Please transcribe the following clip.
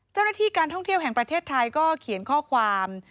เจ้าหน้าที่การท่องเที่ยวแห่งประเทศไทยก็เขียนข้อความ